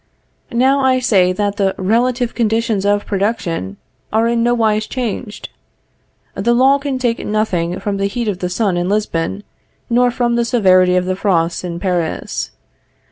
Now I say that the relative conditions of production are in no wise changed. The law can take nothing from the heat of the sun in Lisbon, nor from the severity of the frosts in Paris.